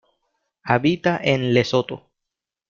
Habita en Lesoto.